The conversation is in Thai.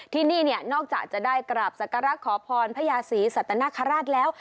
ที่นี่นอกจากจะได้กลับสการะขอพรพญาศีสัตนครราชแล้ว